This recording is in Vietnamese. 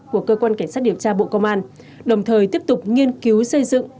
của cơ quan cảnh sát điều tra bộ công an đồng thời tiếp tục nghiên cứu xây dựng